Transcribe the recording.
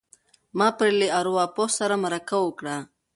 ما پرې له ارواپوه سره مرکه وکړه.